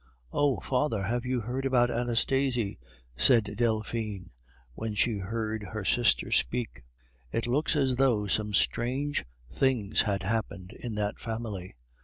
"Oh, father, have you heard about Anastasie?" said Delphine, when she heard her sister speak. "It looks as though some strange things had happened in that family."